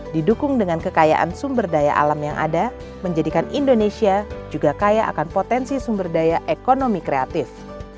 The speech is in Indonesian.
didukung dengan kekayaan sumber daya alam yang ada menjadikan indonesia juga kaya akan potensi sumber daya ekonomi kreatif